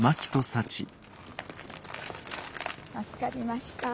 助かりました。